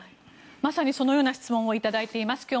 まさにそのような質問を頂いています。